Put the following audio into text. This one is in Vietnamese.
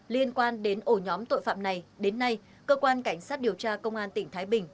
liên quan đến ổ nhóm tội phạm này đến nay cơ quan cảnh sát điều tra công an tỉnh thái bình